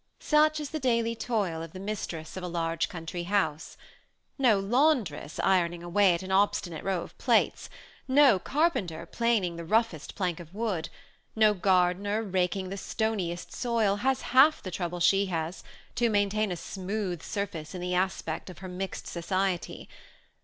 Such is the daily toil of the mistress of a large country house. No laundress, ironing away at an ob stinate row of plaits ; no carpenter, planing the rough est plank of wood ; no gardener, raking the stoniest soil, has half the trouble she has, to maintain a smooth sur face in the aspect of her mixed society.